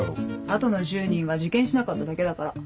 あとの１０人は受験しなかっただけだから。